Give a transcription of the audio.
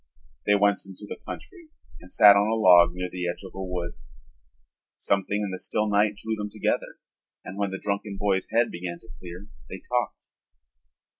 They went into the country and sat on a log near the edge of a wood. Something in the still night drew them together and when the drunken boy's head began to clear they talked.